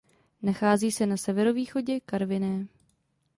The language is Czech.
Nachází se na severovýchodě Karviné.